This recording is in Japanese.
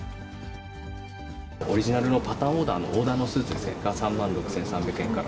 オリジナルのパターンオーダーのスーツが３万６３００円から。